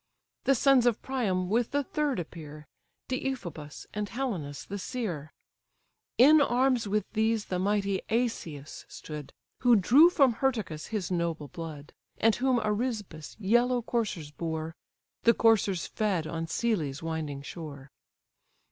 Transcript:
The sons of Priam with the third appear, Deiphobus, and Helenas the seer; In arms with these the mighty Asius stood, Who drew from Hyrtacus his noble blood, And whom Arisba's yellow coursers bore, The coursers fed on Sellè's winding shore.